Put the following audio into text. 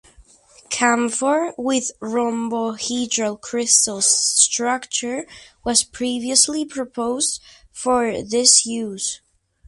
Camphor (with rhombohedral crystal structure) was previously proposed for this use.